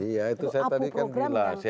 iya itu saya tadi kan jelas ya